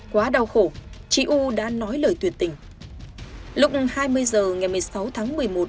quá đau khổ chị u đã nói lời tựa